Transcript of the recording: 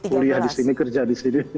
kuliah di sini kerja di sini